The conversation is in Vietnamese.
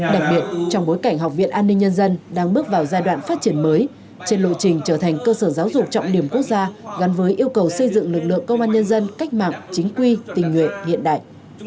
đặc biệt trong bối cảnh học viện an ninh nhân dân đang bước vào giai đoạn phát triển mới trên lộ trình trở thành cơ sở giáo dục trọng điểm quốc gia gắn với yêu cầu xây dựng lực lượng công an nhân dân cách mạng chính quy tình nguyện hiện đại